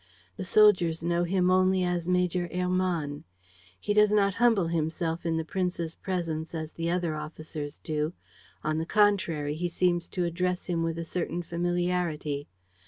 The soldiers know him only as Major Hermann. He does not humble himself in the prince's presence as the other officers do. On the contrary, he seems to address him with a certain familiarity.